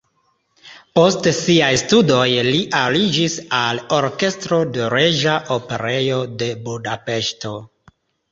Post siaj studoj li aliĝis al orkestro de Reĝa Operejo de Budapeŝto.